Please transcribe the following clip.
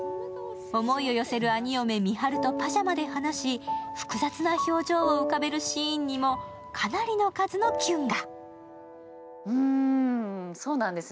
思いを寄せる兄嫁・美晴とパジャマで話し、複雑な表情を浮かべるシーンにも、かなりの数のキュンが。